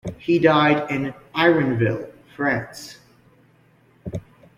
He died in Eyrenville, France.